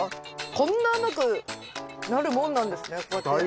こんな甘くなるもんなんですねこうやって。